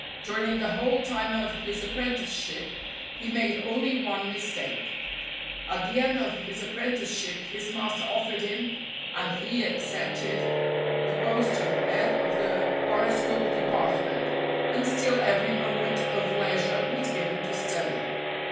During the whole time of his apprenticeship he made only one GOLD 315 mistake. At the end of his apprenticeship his master offered him, and he accepted, the post of head of the horoscope department, and still every moment of leis ure was given to study.